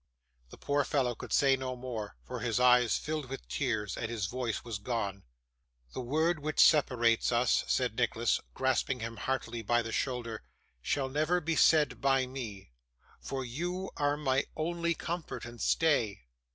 The poor fellow could say no more, for his eyes filled with tears, and his voice was gone. 'The word which separates us,' said Nicholas, grasping him heartily by the shoulder, 'shall never be said by me, for you are my only comfort and stay.